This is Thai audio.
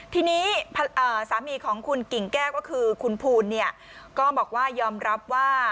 ทีนี้สามีของคุณกิ่งแก้วก็คือคุณภูลเนี่ยก็บอกว่ายอมรับว่า